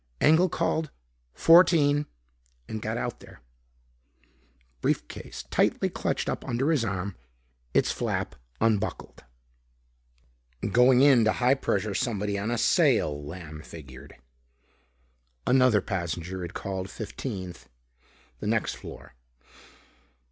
Engel called "Fourteen" and got out there, briefcase tightly clutched up under his arm, its flap unbuckled. "Going in to high pressure somebody on a sale," Lamb figured. Another passenger had called fifteenth, the next floor.